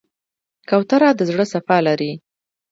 کوتره د زړه صفا لري.